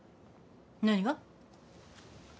何が？